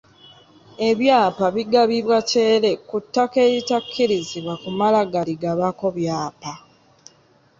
Ebyapa bigabibwa kyere ku ttaka eritakkirizibwa kumala galigabako byapa.